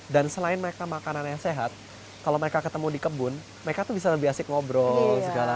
dan selain mereka makanan yang sehat kalau mereka ketemu di kebun mereka tuh bisa lebih asik ngobrol segala